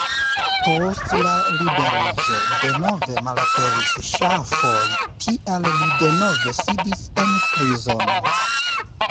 Post la liberiĝo denove malaperis ŝafoj, tial li denove sidis en prizono.